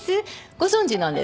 ご存じなんですか？